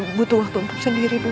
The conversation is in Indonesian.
aku beu butuh waktu untuk sendiri dulu